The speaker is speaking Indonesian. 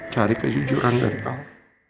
cari kejujuran dari kamu